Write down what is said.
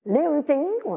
liên chính của